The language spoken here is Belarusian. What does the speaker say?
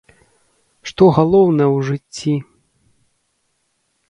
Што галоўнае ў жыцці?